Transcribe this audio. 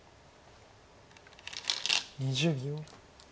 ２０秒。